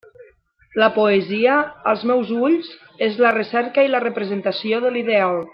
La poesia, als meus ulls, és la recerca i la representació de l'ideal.